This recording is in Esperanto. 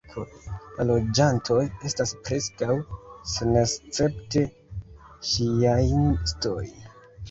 La loĝantoj estas preskaŭ senescepte ŝijaistoj.